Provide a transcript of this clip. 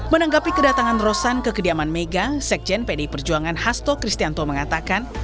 menanggapi kedatangan rosan ke kediaman mega sekjen pdi perjuangan hasto kristianto mengatakan